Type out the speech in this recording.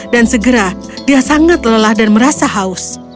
dan segera dia sangat lelah dan merasa haus